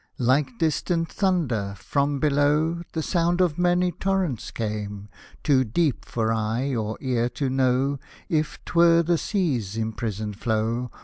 Like distant thunder, from below. The sound of many torrents came, Too deep for eye or ear to know If 'twere the sea's imprisoned flow.